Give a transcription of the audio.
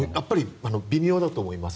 微妙だと思います。